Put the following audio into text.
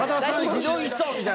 ひどい人みたいな。